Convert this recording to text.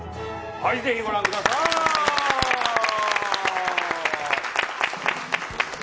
ぜひ、ご覧ください。